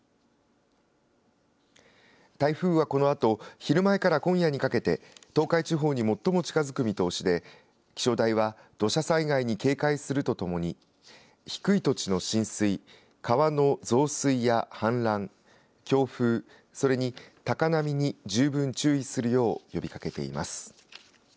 台風は、このあと昼前から今夜にかけて東海地方に最も近づく見通しで、気象台は土砂災害に警戒するとともに低い土地の浸水、川の増水や氾濫、強風それに高波に十分注意するよう呼びかけています。